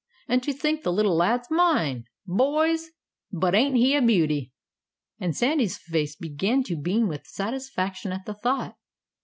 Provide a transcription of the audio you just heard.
An' to think the little lad's mine! Boys, but ain't he a beauty?" And Sandy's face began to beam with satisfaction at the thought.